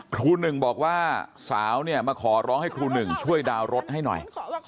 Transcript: ครูหนึ่งบอกว่าสาวเนี่ยมาขอร้องให้ครูหนึ่งช่วยดาวน์รถให้หน่อย